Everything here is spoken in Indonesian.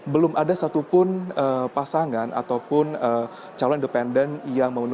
belum ada satupun pasangan ataupun calon independen yang memenuhi persyaratan tersebut